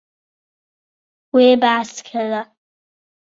Wê behs kir.